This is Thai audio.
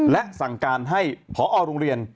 และสั่งการให้พอโรงเรียน